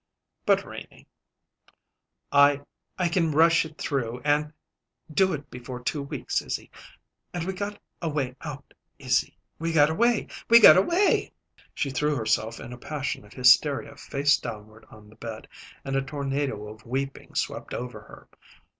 "But, Renie " "I I can rush it through and do it before two weeks, Izzy; and we got a way out, Izzy we got a way. We got a way!" She threw herself in a passion of hysteria face downward on the bed and a tornado of weeping swept over her.